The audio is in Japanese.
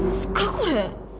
これ。